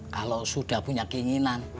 kalau sudah punya keinginan